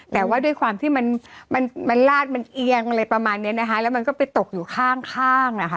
แต่ว่าด้วยความที่มันมันลาดมันเอียงอะไรประมาณเนี้ยนะคะแล้วมันก็ไปตกอยู่ข้างข้างนะคะ